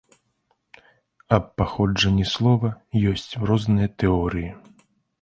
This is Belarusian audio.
Аб паходжанні слова ёсць розныя тэорыі.